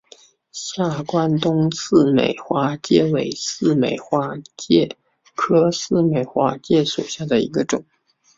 下关东似美花介为似美花介科似美花介属下的一个种。